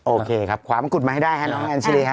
โอเคครับขวางกุฎมาให้ได้ฮะน้องแอนซิรีครับ